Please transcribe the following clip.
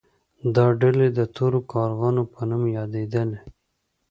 دا ډلې د تورو کارغانو په نوم یادیدلې.